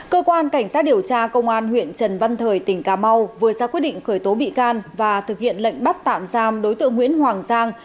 cơ quan cảnh sát điều tra công an huyện trần văn thời tỉnh cà mau vừa ra quyết định khởi tố bị can và thực hiện lệnh bắt tạm giam đối tượng nguyễn hoàng giang